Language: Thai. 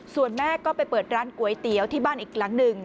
ส่วนแม่ก็ไปเปิดร้านก๋วยเตี๋ยวที่บ้านอีกหลังหนึ่ง